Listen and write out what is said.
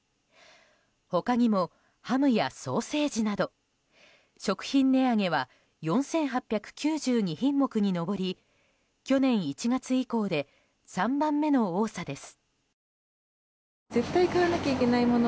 他にも、ハムやソーセージなど食品値上げは４８９２品目に上り去年１月以降で３番目の多さです。